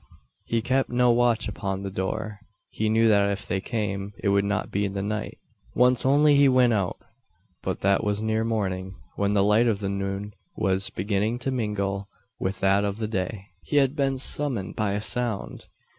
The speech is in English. He kept no watch upon the door. He knew that if they came, it would not be in the night. Once only he went out; but that was near morning, when the light of the moon was beginning to mingle with that of the day. He had been summoned by a sound.